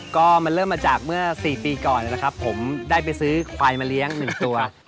ก็มันเริ่มมาจากเมื่อ๔ปีก่อนนะครับผมได้ไปซื้อควายมาเลี้ยง๑ตัว